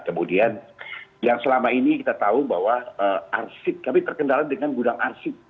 kemudian yang selama ini kita tahu bahwa r seed kami terkendala dengan gudang r seed